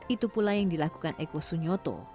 itu pula yang dilakukan eko sunyoto